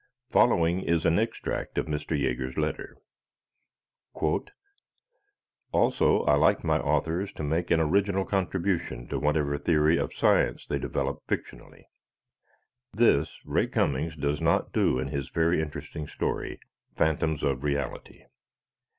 Following is an extract of Mr. Jaeger's letter: "Also I like my authors to make an original contribution to whatever theory of science they develop fictionally. This, Ray Cummings does not do in his very interesting story, "Phantoms of Reality."